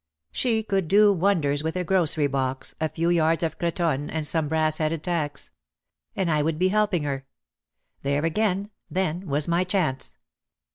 She could do wonders with a grocery box, OUT OF THE SHADOW 263 a few yards of cretonne and some brass headed tacks. And I would be helping her. There again, then, was my chance.